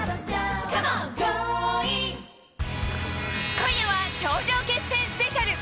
今夜は頂上決戦スペシャル。